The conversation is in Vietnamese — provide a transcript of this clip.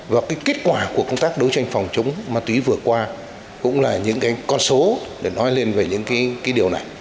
và cái kết quả của công tác đấu tranh phòng chống ma túy vừa qua cũng là những cái con số để nói lên về những cái điều này